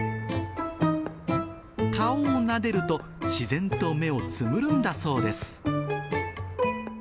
顔をなでると、自然と目をつむるんだそうです。